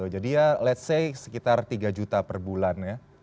jadi ya let's say sekitar tiga juta per bulan